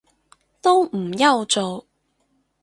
都唔憂做